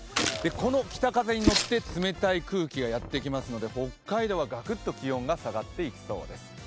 この北風に乗って冷たい空気がやってきますので北海道はガクッと気温が下がっていきそうです